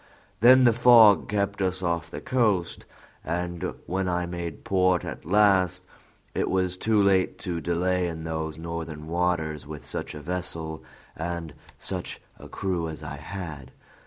Then the fog kept us off the coast; and when I made port at last, it was too late to delay in those northern waters with such a vessel and such a crew as I had.